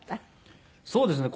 そうですね。